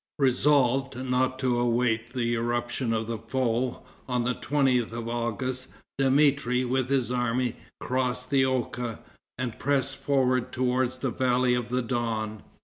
Resolved not to await the irruption of the foe, on the 20th of August, Dmitri, with his army, crossed the Oka, and pressed forward towards the valley of the Don.